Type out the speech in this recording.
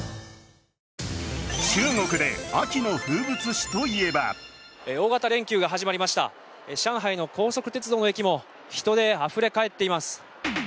中国で秋の風物詩と言えば大型連休が始まりました上海の高速鉄道の駅も人であふれかえっています。